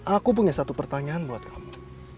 aku punya satu pertanyaan buat kamu